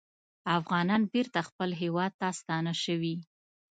افغانان بېرته خپل هیواد ته ستانه شوي